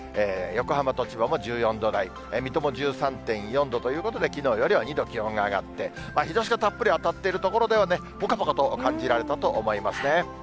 横浜と千葉も１４度台、水戸も１３．４度ということで、きのうよりは２度気温が上がって、日ざしがたっぷり当たっている所ではぽかぽかと感じられたと思いますね。